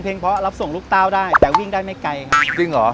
เพราะอรับส่งลูกตาวได้แต่วิ่งได้ไม่ไกลครับ